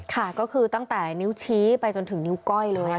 ค่ะก็คือตั้งแต่นิ้วชี้ไปจนถึงนิ้วก้อยเลยค่ะ